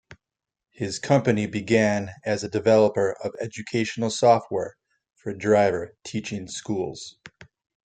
His company began as a developer of educational software for driver teaching schools.